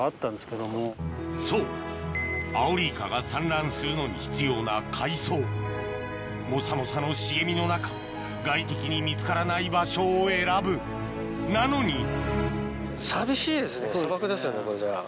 そうアオリイカが産卵するのに必要な海藻もさもさの茂みの中外敵に見つからない場所を選ぶなのに寂しいですね。